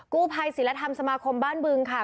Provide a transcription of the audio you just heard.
กู้ภัยศิลธรรมสมาคมบ้านบึงค่ะ